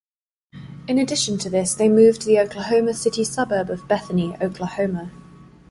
In addition to this they moved to the Oklahoma City suburb of Bethany, Oklahoma.